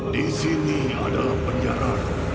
di sini adalah penjara